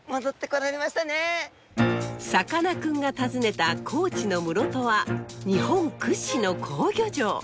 さかなクンが訪ねた高知の室戸は日本屈指の好漁場！